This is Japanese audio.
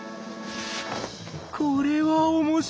「これは面白い。